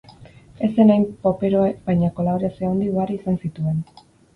Ez zen hain poperoa baina kolaborazio handi ugari izan zituen.